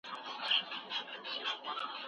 حق ته غاړه ایښودل د مومن صفت دی.